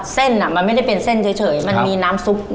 เส้นมันไม่ได้เป็นเส้นเฉยมันมีน้ำซุป